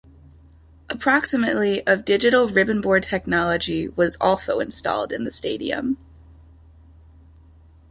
Approximately of digital ribbon board technology was also installed in the stadium.